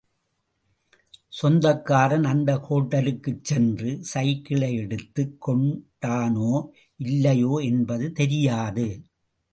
சொந்தக்காரன் அந்த ஹோட்டலுக்குச் சென்று சைக்கிளை எடுத்துக் கொண்டானோ, இல்லையோ என்பது தெரியாது.